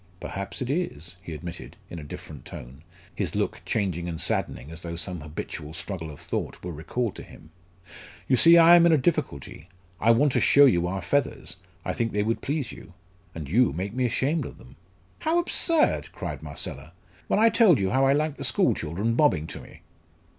"Perhaps it is," he admitted, in a different tone, his look changing and saddening as though some habitual struggle of thought were recalled to him. "You see I am in a difficulty. I want to show you our feathers. I think they would please you and you make me ashamed of them." "How absurd!" cried Marcella, "when I told you how I liked the school children bobbing to me!"